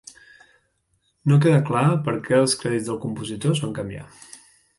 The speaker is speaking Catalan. No queda clar per què els crèdits del compositor es van canviar.